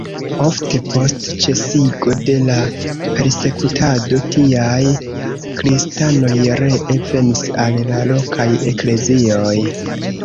Ofte, post ĉesigo de la persekutado, tiaj kristanoj ree venis al la lokaj eklezioj.